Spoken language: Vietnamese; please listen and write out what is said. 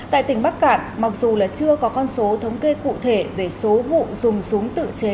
tại tỉnh bắc cạn mặc dù là chưa có con số thống kê cụ thể về số vụ dùng súng tự chế